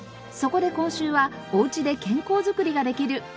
そこで今週はおうちで健康づくりができる